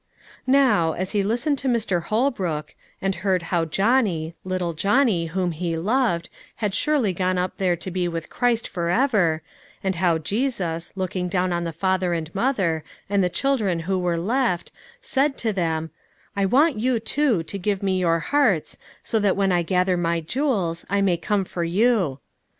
Now, as he listened to Mr. Holbrook, and heard how Johnny, little Johnny whom he loved, had surely gone up there to be with Christ for ever, and how Jesus, looking down on the father and mother, and the children who were left, said to them, "I want you, too, to give Me your hearts, so that when I gather My jewels I may come for you."